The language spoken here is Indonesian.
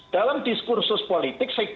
dalam diskursus politik saya